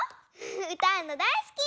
うたうのだいすき！